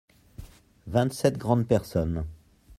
Vingt-sept grandes personnes.